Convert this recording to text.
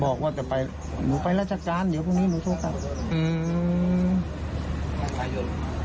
บอกว่าจะไปหนูไปราชการเดี๋ยวพรุ่งนี้หนูโทรกลับอืม